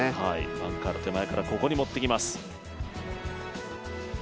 バンカーの手前から、ここに持ってきます。